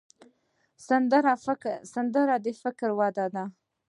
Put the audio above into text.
سندره د فکر وده ده